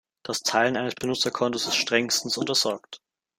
Das Teilen eines Benutzerkontos ist strengstens untersagt.